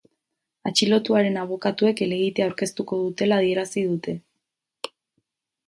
Atxilotuaren abokatuek helegitea aurkeztuko dutela adierazi dute.